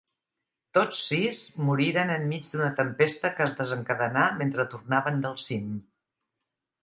Tots sis moriren enmig d'una tempesta que es desencadenà mentre tornaven del cim.